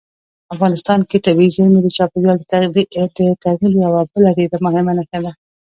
افغانستان کې طبیعي زیرمې د چاپېریال د تغیر یوه بله ډېره مهمه نښه ده.